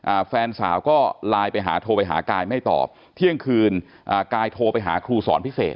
แฟนสาวก็ไลน์ไปหาโทรไปหากายไม่ตอบเที่ยงคืนอ่ากายโทรไปหาครูสอนพิเศษ